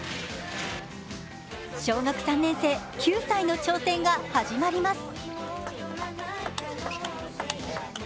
小学３年生、９歳の挑戦が始まります。